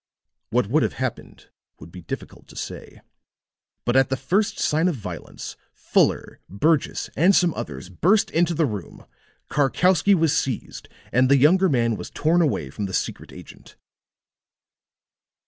What would have happened would be difficult to say; but at the first sign of violence, Fuller, Burgess and some others burst into the room; Karkowsky was seized and the younger man was torn away from the secret agent.